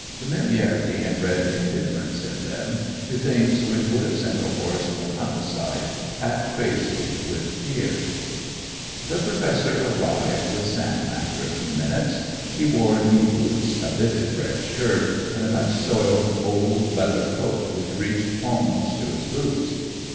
Familiarity had bred indifference in them to things which would have sent a horse from outside half crazy with fear. The Professor arrived with Sam, after a few minutes. He wore knee boots, a vivid red shirt, and a much soiled old leather coat which reached almost to his boots.